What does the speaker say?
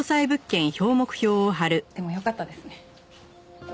でもよかったですね。